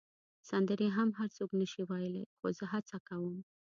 سندرې هم هر څوک نه شي ویلای، خو زه هڅه کوم.